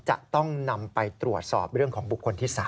จะต้องนำไปตรวจสอบเรื่องของบุคคลที่๓